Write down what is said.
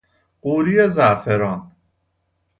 قوری زعفران